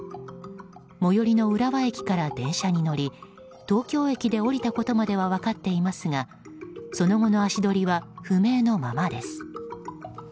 最寄りの浦和駅から電車に乗り東京駅で降りたことまでは分かっていますがその後の足取りは不明のままです。